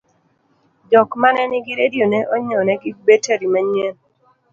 jok manenigi redio ne onyienegi betari manyien